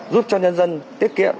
giúp cho nhân dân tiết kiệm